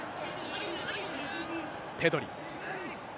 ペドリ。